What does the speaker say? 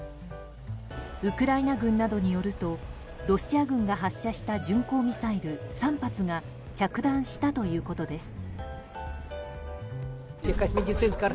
ウクライナ軍などによるとロシア軍が発射した巡航ミサイル３発が着弾したということです。